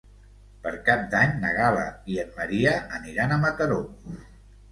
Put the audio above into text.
Per Cap d'Any na Gal·la i en Maria aniran a Mataró.